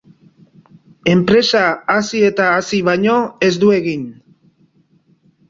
Enpresa hazi eta hazi baino ez du egin.